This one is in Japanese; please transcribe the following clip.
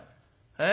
「え？